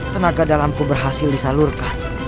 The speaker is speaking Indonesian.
tenaga dalamku berhasil disalurkan